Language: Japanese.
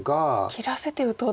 切らせて打とうと。